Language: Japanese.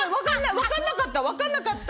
分かんなかった。